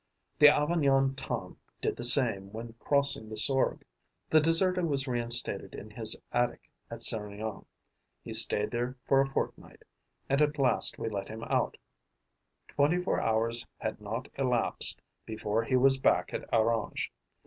The Avignon Tom did the same when crossing the Sorgue. The deserter was reinstated in his attic at Serignan. He stayed there for a fortnight; and at last we let him out. Twenty four hours had not elapsed before he was back at Orange.